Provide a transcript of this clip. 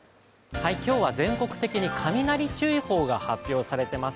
今日は全国的に雷注意報が発表されています。